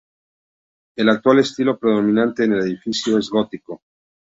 El actual estilo predominante en el edificio es gótico.